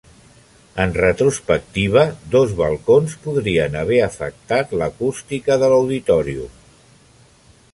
En retrospectiva, dos balcons podrien haver afectat l'acústica de l'Auditorium.